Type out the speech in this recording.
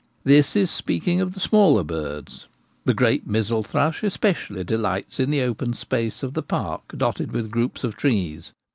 This is speaking of the smaller birds. The great missel thrush espe cially delights in the open space of the park dotted with groups of trees.